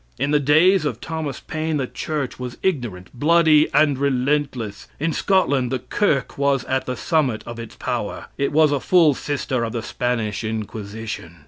In the days of Thomas Paine the church was ignorant, bloody, and relentless. In Scotland the "kirk" was at the summit of its power. It was a full sister of the Spanish Inquisition.